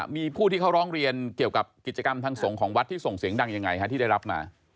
มีผู้ที่เขาร้องเรียนเกี่ยวกับกิจกรรมทางสงฆ์ของวัดที่ส่งเสียงดังยังไงฮะที่ได้รับมา